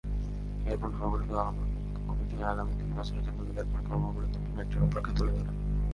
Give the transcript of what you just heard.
এরপর নবগঠিত কমিটি আগামী দুই বছরের জন্য তাদের কর্মপরিকল্পনার একটি রূপরেখা তুলে ধরে।